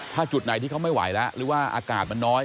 ถ้าจุดไหนที่เขาไม่ไหวแล้วหรือว่าอากาศมันน้อย